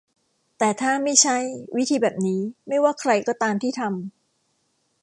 แต่ถ้าไม่ใช่ วิธีแบบนี้ ไม่ว่าใครก็ตามที่ทำ